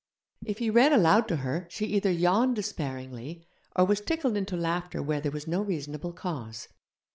If he read aloud to her she either yawned despairingly, or was tickled into laughter where there was no reasonable cause.